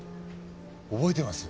覚えてます。